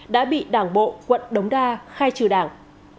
đã bị đảng bộ quận đống đa khai trừ đảng